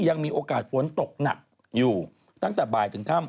ยังมีโอกาสฝนตกหนักอยู่ตั้งแต่บ่ายถึงค่ำ